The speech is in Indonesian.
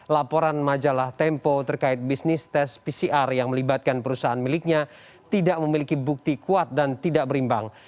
laporan majalah tempo terkait bisnis tes pcr yang melibatkan perusahaan miliknya tidak memiliki bukti kuat dan tidak berimbang